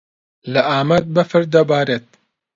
لە ئامەد بەفر دەبارێت.